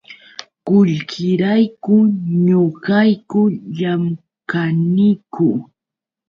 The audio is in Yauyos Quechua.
Qullqirayku ñuqayku llamkaniku.